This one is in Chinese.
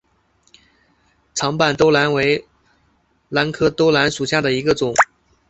长瓣兜兰为兰科兜兰属下的一个种。